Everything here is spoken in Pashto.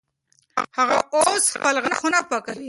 هغه اوس خپل غاښونه پاکوي.